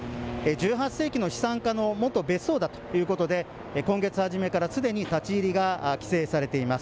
１８世紀の資産家の元別荘だということで、今月初めからすでに立ち入りが規制されています。